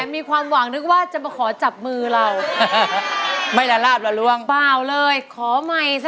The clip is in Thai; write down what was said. ไม่ลาบละล่วงเปล่าเลยขอใหม่ซะ๐๐๐๐๐๐